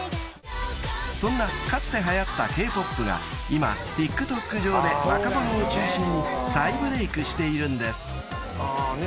［そんなかつてはやったＫ−ＰＯＰが今ＴｉｋＴｏｋ上で若者を中心に再ブレイクしているんです］